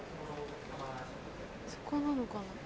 そこなのかな？